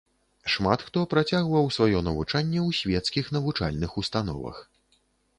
Шмат хто працягваў сваё навучанне ў свецкіх навучальных установах.